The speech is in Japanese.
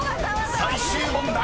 ［最終問題］